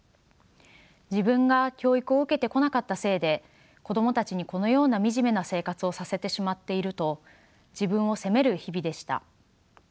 自分が教育を受けてこなかったせいで子供たちにこのような惨めな生活をさせてしまっていると自分を責める日々でした。